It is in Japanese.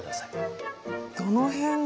どの辺が？